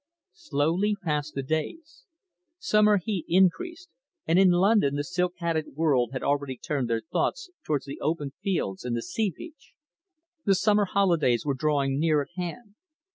Slowly passed the days. Summer heat increased and in London the silk hatted world had already turned their thoughts towards the open fields and the sea beach. The summer holidays were drawing near at hand.